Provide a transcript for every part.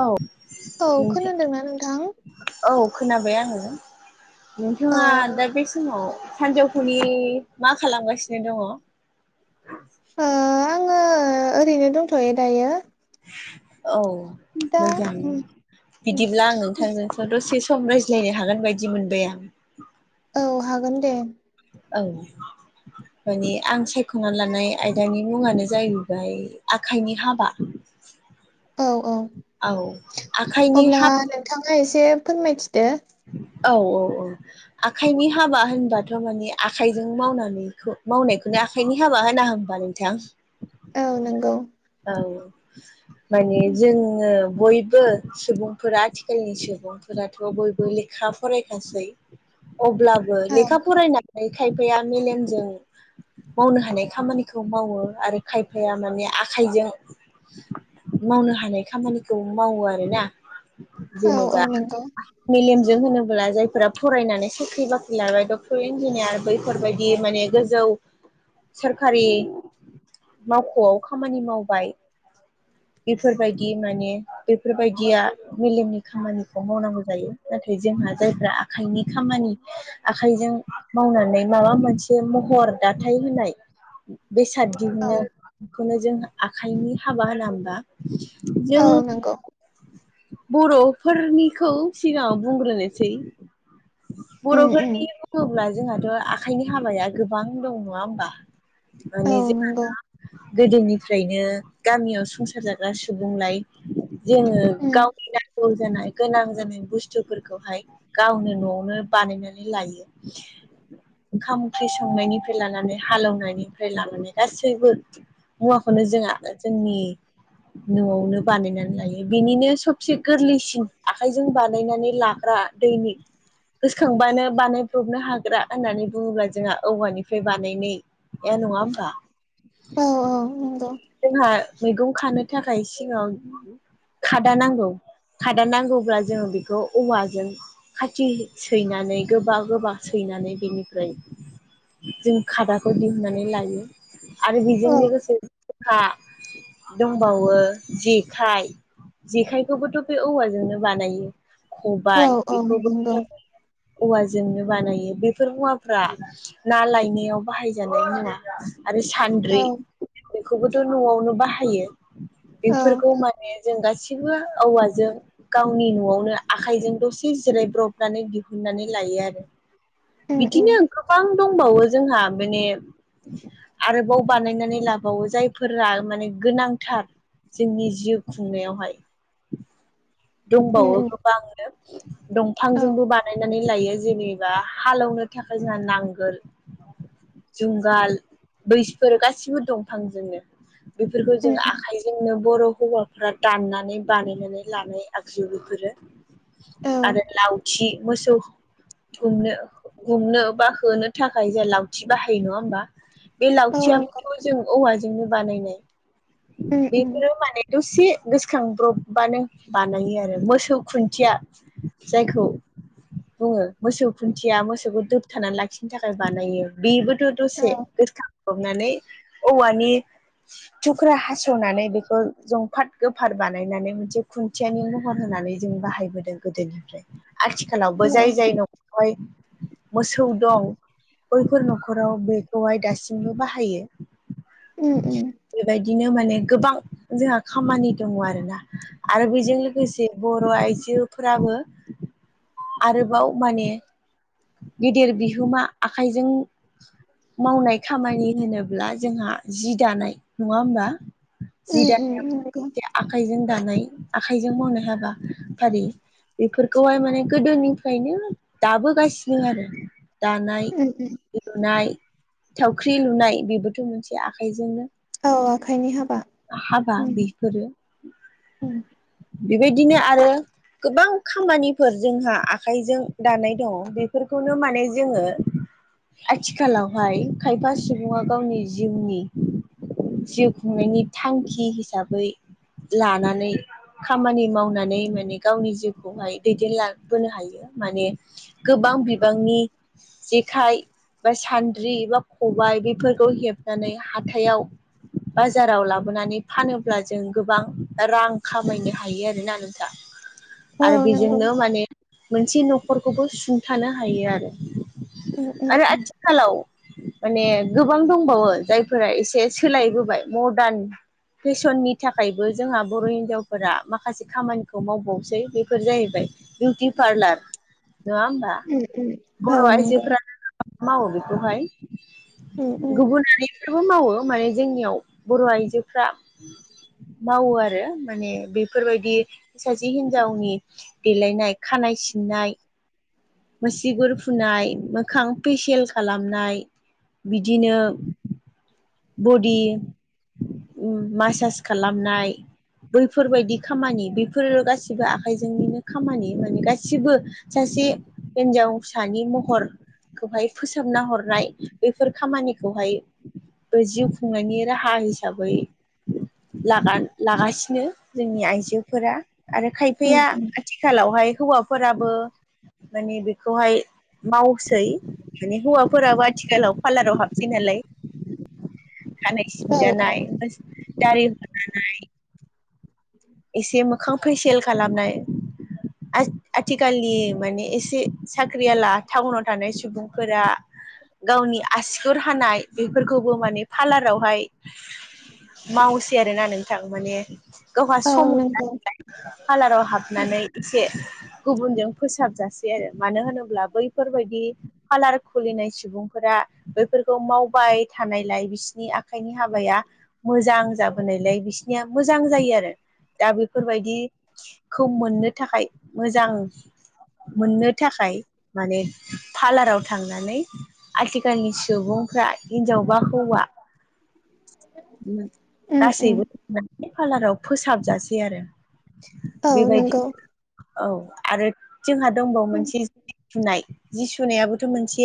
औ औ खोनादोंना नोंथां औ खोनाबाय आङो। औ नोंथाङा दा बे समाव सानजौफुनि मा खालामगासिनो दङ? ओ आङो ओरैनो दंथ'यो दायो। औ दा मोजां उम उम बिदिब्ला आं नोंथांजों ओ दसे सम रायज्लायनो हागोन बायदि मोनबाय आं। औ हागोन दे। औ माने आं सायख'ना लानाय आयदानि मुङानो जाहैबाय आखाइनि हाबा। [inaudible] औ औ औ आखाइनि अब्ला हाब नोंथाङा एसे फोरमायथिदो। औ औ ओ आखाइनि हाबा होनबाथ' माने आखाइजों मावनानैखौ मावनायखौनो आख खाइनि हाबा होना होमबा नोंथां? औ नोंगौ। औ माने जों [unintelligible] बयबो सुबुंफोरा आथिखालनि सुबुंफोराथ' बय लेखा फरायगासै अब्लाबो औ लेखा फरायना नाय खायफाया मेलेमजों मावनो हानाय खामानिखौ मावो आरो खायफाया माने आखाइजों मावनो हानाय खामानिखौ मावो आरोना औ औ जेनेबा नंगौ मेलेमजों होनोब्ला जायफोरा फरायनानै साख्रि बाख्रि लाबाय डक्टर इन्जिनियार बैफोरबायदि माने गोज जौ सोरखारि मावख'आव खामानि मावबाय। बेफोरबायदि माने बेफोरबायदिया मेलेमनि खामानिखौ मावनांगौ जायो। नाथाय जोंहा जायफ्रा आखाइनि खामानि‌ आखाइजों मावनानै माबा मोनसे महर दाथाय होनाय बेसाद औ दिहुनो बेखौनो जों आखाइनि हाबा होना होमबा जों औ नंगौ बर'फोरनिखौ सिगांआव बुंग्रोनोसै। उम उम बर'फोरनि बुङोब्ला जोंहाथ' आखाइनि हाबाया गोबां दं नङा होमबा? औ माने जोंहा नंगौ दा गोदोनिफ्रायनो गामियाव संसार जाग्रा सुबुंलाय जोङो उम गावनि नांगौ जानाय गोनां जानाय बुस्थुफोरखौहाय गावनो न'आवनो बानायनानै लायो। ओंखाम ओंख्रि संनायनिफ्राय लानानै हालेवनायनिफ्राय लानानै गासैबो मुवाखौनो जोङा जोंनि न'आवनो बानायनानै लायो बेनिनो सबसे गोरलैसिन आखाइजों बा बानायनानै लाग्रा दैनि गोसोखांबानो बानायब्रबनो हाग्रा होननानै बुङोब्ला जोंहा औवानिफ्राय बानायनाय ए नङा ओमबा? औ औ नंगौ। जोंहा मैगं खानो थाखाय सिगाव खादा नांगौ। खादा नांगौब्ला जोङो बेखौ औवाजों खाथि सैनानै गोबा गोबा सैनानै बेनिफ्राय जों खादाखौ दिहुननानै लायो आरो औ बेजों लोगोसे जोंहा दंबावो जेखाय जेखायखौबोथ' बे औवाजोंनो बानायो। औ खबाय औ बेखौबो नंगौ जों औवाजोंनो बानायो बेफोर मुवाफोरा ना लायनायाव बाहायजानाय मुवा। आरो औ सान्द्रि। बेखौबोथ' न'आवनो बाहायो औ बेफोरखौ माने जों गासिबो औवाजों गावनि न'आवनो आखाइजों दसे जिरायब्रबनानै दिहुननानै लायो आरो। उम उम बिदिनो गोबां दंबावो जोंहा बिनि आरोबाव बानायनानै ला बाव जायफोरा माने गोनांथार जोंनि जिउ खुंनायावहाय। उम दंबावो उम गोबांनो। औ दंफांजोंबो बानायनानै लायो जेनेबा हालेवनो थाखाय जोंहा नांगोल। जुंगाल बैसफोर गासिबो दंफां जोंनो बेफोरखौ जों उम उम आखाइजोंनो बर' हौवाफ्रा दाननानै बानायनानै लानाय। आगजु बेफोरो औ आरो लावथि मोसौ। गुमनो गुमनो बा होनो थाखाय जोंहा लावथि बाहायो नङा होमबा। बे औ नंगौ लावथियाबोथ' जों औवाजोंनो बानायनाय उम उम बेफोरो माने दसे गोसोखांब्रबबानो बानायो आरो मोसौ खुन्थिया जायखौ बुङो मोसौ खुन्थिया मोसौखौ दोबथानानै लाखिनो थाखाय बानायो बेबोथ' औ दसे गोसोखांब्ब्रनानै औवानि थुख्रा हास'नानै बेखौ जंफाट गोफार बानायनानै मोनसे खुन्थियानि महर होनानै जों बाहायबोदों गोदोनिफ्राय आथिखालावबो औ जाय जाय न मोसौ दं बैफोर न'खराव बेखौहाय दासिमबो बाहायो। उम उम बेबायदिनो माने गोबां जोंहा खामानि दङ आरोना। आरो बेजों लोगोसे बर' आइजोफोराबो आरोबाव माने गेदेर बिहोमा आखाइजों मावनाय खामानि होनोब्ला जोंहा जि दानाय नङा होमबा। जि उम उम नंगौ दानाय आखाइजों दानाय आखाइजों मावनो हाबा फारि। बेफोरखौहाय माने गोदोनिफ्रायनो दाबोगासिनो आरो दानाय उम उम। लुनाय थावख्रि लुनाय बेबोथ' मोनसे आखाइजोंनो औ आखाइनि हाबा। हाबा उम बेफोरो उम बेबायदिनो आरो गोबां खामानिफोर जोंहा आखाइजों दानाय दङ बेफोरखौनो माने जोङो आथिखालावहाय खायफा सुबुङा गावनि जिउनि जिउ खुंनायनि थांखि हिसाबै लानानै खामानि मावनानै माने गावनि जिउखौहाय दैदेनलाबोनो हायो माने गोबां बिबांनि जेखाइ बा सान्द्रि बा खबाय बेफोरखौ हेबनानै हाथायाव बाजाराव लाबो बोनानै फानोब्ला जों गोबां रां खामायनो हायो आरोना नोंथां। औ आरो नंगौ बेजोंनो माने मोनसे न'खरखौबो सुंथानो हायो आरो उम उम आरो उम आथिख खालाव माने गोबां दंबावो जायफोरा एसे सोलायबोबाय मडार्न फेसननि थाखायबो जोंहा बर' हिनजावफोरा माखासे खामानिखौ मावबावसै बेफोर जाहैबाय बिउटि पार्लार नङा होमबा उम उम औ बर' नंगौ आइजोफ्रानो मावो बेखौहाय उम उम गुबुनारि बेबो मावो माने जोंनियाव बर' आइजोफ्रा मावो आरो माने बेफोरबायदि सासे हिनजावनि देलायनाय खानाय सिननाय मुसिगुर फुनाय मोखां पेसिल खालामनाय बिदिनो बडि मासास खालामनाय बैफोरबायदि खामानि बेफोर' गाैसैबो आखाइनिनो खामानि माने गासिबो सासे हिन्जाव सानि महर खौहाय फोसाबना हरनाय बेफोर खामानिखौहाय बे जिउ खुंनायनि राहा हिसाबै लागा लागासिनो जोंनि आइजोफोरा आरो उम खायफाया उम आथिखालावहाय हौवाफोराबो माने बेखौहाय मावसै माने हौवाफोराबो आथिखालाव पार्लाराव हाबसै नालाय खानाय औ औ सिनजानाय दारि हनाय एसे मोखां फैसेल खालामनाय आथिखालनि माने एसे साख्रियाला टाउनाव थानाय सुबुंफोरा? गावनि आसिगुर हानाय बेफोरखौबो माने पार्लारावहाय मावसै आरोना नोंथां माने। गावहा औ सम नंगौ मोनाला नालाय पार्लाराव हाबनानै से गुबुनजों फोसाबजसेै आरो मानो होनोब्ला बैफोरबायदि फालार खुलिनाय सुबुंफोरा बैफोरखौ मावबाय थानायलाय बिसिनि आखाइनि हाबाया मोजां जाबोनायलाय बिसिनिया मोजां जायो आरो दा बेफोरबायदि खौ मोननो थाखाय मोजां मोननो थाखाय माने पार्लाराव थांनानै आथिखालनि सुबुंफ्रा हिनजाव बा हौवा। उम उम गासैबो पार्लाराव फोसाबजासै आरो। औ बेबायदि नंगौ औ आरो जोंहा दंबावो उम मोनसे जि सुनाय जि सुनायाबोथ' मोनसे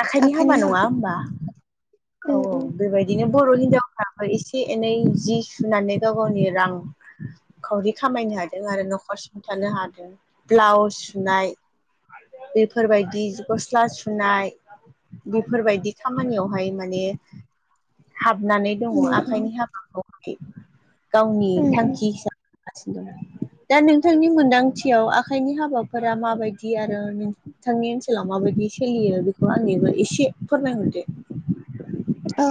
आखाइनि हाबा नंङा होमबा? औ उम औ उम बेबायदिनो बर' हिनजावफ्राबो एसे एनै जि सुनानै गाव गावनि रां खावरि खामायनो हादों आरो न'खर सुंथानो हादों ब्लाउस सुनाय बेफोरबायदि गस्ला सुनाय बेफोरबायदि खामानियावहाय माने हाबनानै दंङ उम उम आखाइनि हाबाखौहाय गावनि उम उम थांखि हिसाबै मावगासिनो दं। दा नोंथांनि मोनदांथियाव आखाइनि हाबाफोरा माबायदि आरो। नोंथांनि ओनसोलाव माबायदि सोलियो बेखौ आंनोबो एसे फोरमायहरदो। औ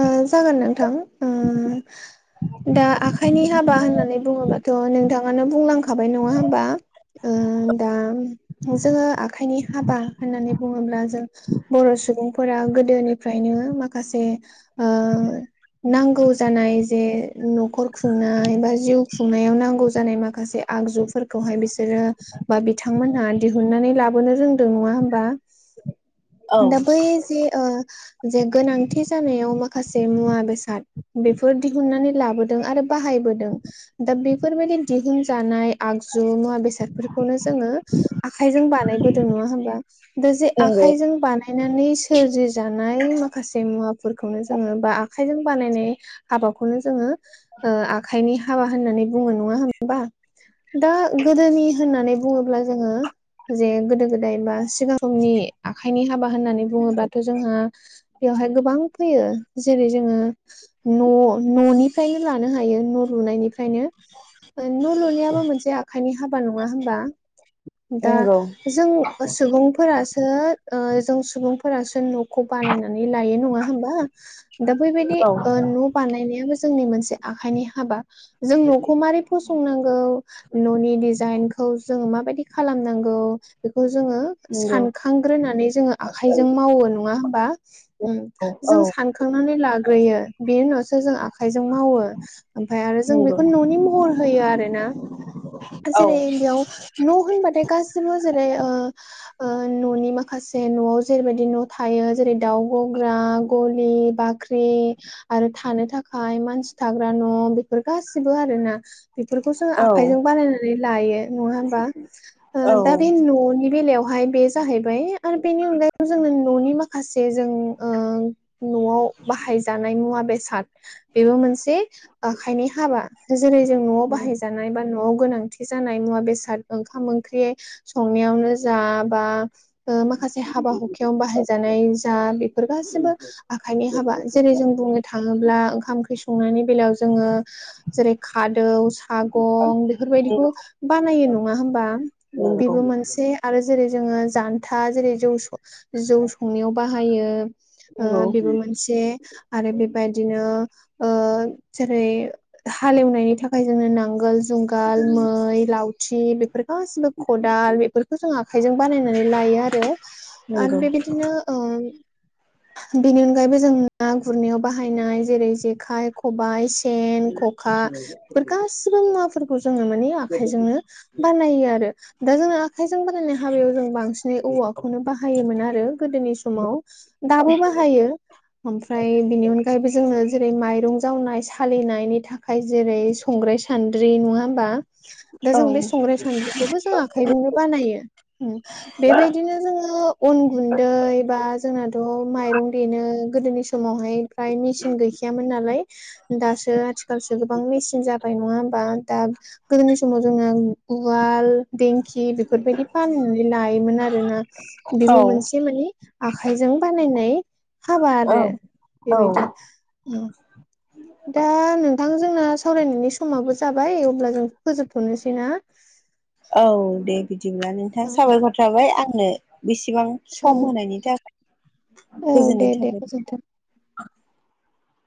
ओ जागोन नोंथां। ओम दा आखाइनि हाबा होननानै बुंङोब्ला? थ' नोंथांङानो बुंलांखाबाय नंङा होमबा? ओ दा जोंङो आखाइनि हाबा होननानै बुंङोब्ला जों बर' सुबुंफोरा गोदोनिफ्रायनो माखासे नांगौ जानाय जे न'खर खुंनाय बा जिउ खुंनायाव नांगौ जानाय माखासे आगजुफोरखौहाय बिसोरो बा बिथांमोनहा दिहुननानै लाबोनो रों नंडा होनबा औ दा बै ओ बे गोनांथि जानायाव माखासे मुवा बेसाद बेफोर दिहुननानै लाबोदों आरो बाहायबोदों दा बेफोरबायदि दिहुनजानाय आगजु मुवा बेसाद नो जोंङो आखायजों बानायबोदों नंङा होमबा दा जे नंगौ आखायजों बानाय गायनानै सोरजि जानाय माखा माखासे मुवाफोरखौनो जोंङो बा आखाइजों बानायनाय हाबाखौनो जोंङो ओ आखाइनि हाबा होननानै बुंङो नंङा होनबा। दा गोदोनि होननानै बुंङोब्ला जोङो जे गोदो गोदाय बा सिगां समनि आखाइनि हाबा होननानै बुंङोबाथ' जोंहा बेवहाय गोबां फैयो जेरै जोंङो न' न'निफ्रायनो लानो हायो न' लुनायनिफ्रायनो। ओ न' लुनायाबो मोनसे आखाइनि हाबा नङा होनबा दा नंगौ जों सुबुंफोरासो ओ जों सुबुंफोरासो न'खौ बानायना नै लायो नङा होनबा दा बै बायदि औ ओ न' बानायनायाबो जोंनि मोनसे आखाइनि हाबा जों न'खौ मारै फसंनांगौ न'नि डिजाइनखौ जोङो माबायदि खालामनांगौ बेखौ जोङो नंगौ औ सानखांग्रोनानै जोङो आखाइजों मावो नङा होमबा। उम औ जों सानखांनानै लाग्रोयो बेनि उनावसो जों आखाइजों मावो। ओमफाय आरो जों नंगौ बेखौनो न'नि महर होयो आरो ना औ जेरै बेयाव न' होनबाथाय गासिबो जेरै ओ ओ न'नि माखासे न'आव जेरैबायदि न' थायो जेरै दाउ गग्रा गलि बाख्रि आरो थानो थाखाय मानसि थाग्रा न' बे फोर गासिबो आरो ना बेफोरखौ जों औ आखाइजों बानायनानै लायो नङा होमबा। ओ दा औ बे न'नि बेलायावहाय बे जाहैबाय आरो बेनि अनगायै जोंङो न'नि माखासे जों ओ न'आव बाहायजानाय मुवा बेसाद बेबो मोनसे आखाइनि हाबा जेरै जों न'आव बाहाय जानाय बा न'आव गोनांथि जानाय मुवा बेसाद ओंखाम ओंख्रि संनायावनो जा बा ओ माखासे हाबा हुखायाव बाहायजानाय आ बेफोर गासिबो आखाइनि हाबा जेरै जों बुंनो थाङोब्ला ओंखाम ओंख्रि संनायनि बेलायाव जोङो जेरै खादौ हागं बेफोरबायदिखौ बानायो नङा होमबा नंगौ बेबो मोनसे आरो जेरै जोङो जान्था जेरै जौ जौ संनायाव बाहायो ओ नंगौ बेबो मोनसे आरो बेबायदिनो ओ जेरै हालेवनायनि थाखाय जोंनो नांगोल जुंगाल मै लावथि बे गासिबो खदाल बेफोरखौ जों आखाइजों बानायनानै लायो आरो आरो नंगौ बेबायदिनो ओ बेनि अनगायैबो जों ना गुरनायाव बाहायनाय जेरै जेखाय खबाइ सेन ख'खा बेफोर गासिबो मुवाफोरखौ जोङो माने आखाइजोंनो बानायो आरो। दा जोङो आखायजों बानायनाय हाबायाव जों बांसिनै औवाखौनो बाहायोमोन आरो गोदोनि समाव दाबो बाहायो ओमफ्राय बिनि अनगायैबो जोंनो जेरै माइरं जावनाय सालिनायनि था ओमफ्राय जेरै संग्राय सान्द्रि नङा होमबा। दा औ जों बे संग्राय संद्रिखौबो जों आखाइजोंनो बानायो बेबायदिनो जोंओ अन गुनदै बा जोंहाथ माइरं देनो गोदोनि समावहाय ग्राइन मेचिन गैखायामोन नालाय दासो आथिखालसो गोबां मेचिन जाबाय नङा होमबा दा गोदोनि समाव जोंना उवाल देंखि बेफोरबायदि फाहामनानै लायोमोन आरोना बेबो मोनसे मानि आखाइजों बानायनाय हाबा औ आरो औ बेबायदि उम। दा नोंथांजोंना सावरायनायनि समाबो जाबाय अब्ला जों फोजोबथ'नोसै ना। औ दे बिदिब्ला नोंथां औ साबायखर थाबाय आंनो बेसेबां औ सम होनायनि थाखाय। औ दे गोजोननाय दे थाबाय। गोजोनथों।